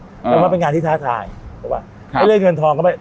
แต่ว่าเป็นงานที่ท้าทายถูกป่ะเรื่องเงินทองก็ไม่